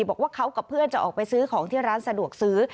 บอกว่าเขากับเพื่อนจะออกไปซื้อของที่ร้านสะดวกซื้อ